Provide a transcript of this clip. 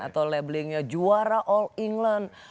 atau labelingnya juara all england